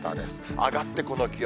上がってこの気温。